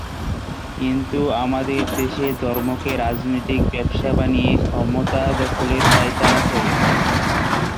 কিন্তু আমাদের দেশে ধর্মকে রাজনৈতিক ব্যবসা বানিয়ে ক্ষমতা দখলের পাঁয়তারা চলে।